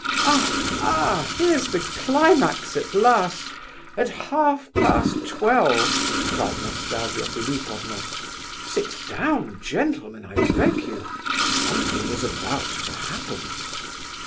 "Ah, ah! here's the climax at last, at half past twelve!" cried Nastasia Philipovna. "Sit down, gentlemen, I beg you. Something is about to happen."